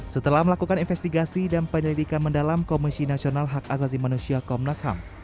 setelah melakukan investigasi dan penyelidikan mendalam komisi nasional hak asasi manusia komnas ham